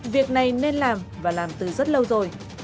việc này nên làm và làm từ rất lâu rồi